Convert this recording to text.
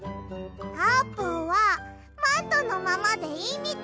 あーぷんはマントのままでいいみたい！